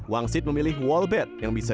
wangsit memilih wall bed yang bisa